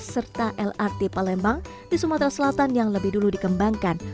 serta lrt palembang di sumatera selatan yang lebih dulu dikembangkan